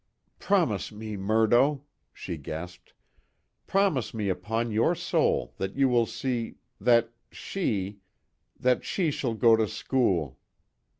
"Promise me, Murdo," she gasped, "promise me upon your soul that you will see that she _that she shall go to school!